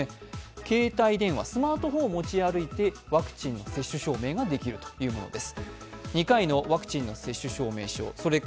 携帯電話、スマートフォンを持ち歩いてワクチンの接種証明ができるというものです。